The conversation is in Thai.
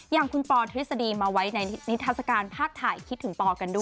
อย่างคุณปอทฤษฎีมาไว้ในนิทัศกาลภาพถ่ายคิดถึงปอกันด้วย